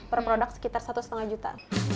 per produk sekitar satu lima juta